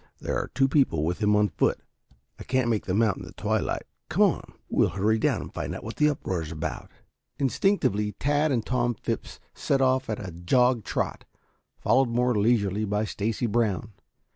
There are two people with him on foot. I can't make them out in the twilight. Come on, we'll hurry down and find out what the uproar is about." Instinctively Tad and Tom Phipps set off at a jog trot, followed more leisurely by Stacy Brown.